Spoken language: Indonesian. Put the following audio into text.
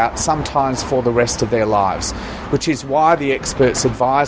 untuk memperbolehkan preskripsi enam puluh hari